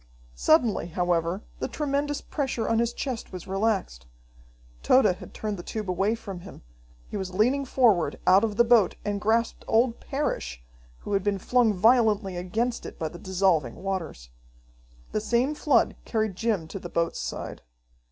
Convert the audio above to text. Suddenly, however, the tremendous pressure on his chest was relaxed. Tode had turned the tube away from him. He was leaning forward out of the boat and grasped old Parrish, who had been flung violently against it by the dissolving waters. The same flood carried Jim to the boat's side.